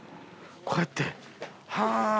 こうやってはぁ。